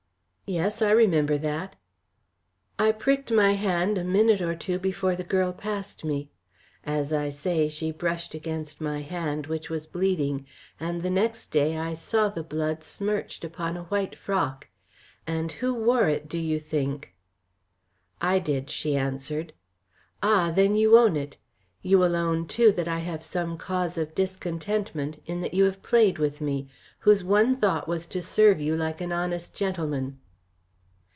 "Yes, I remember that." "I pricked my hand a minute or two before the girl passed me. As I say, she brushed against my hand, which was bleeding, and the next day I saw the blood smirched upon a white frock and who wore it, do you think?" "I did," she answered. "Ah! Then you own it. You will own too that I have some cause of discontentment in that you have played with me, whose one thought was to serve you like an honest gentleman."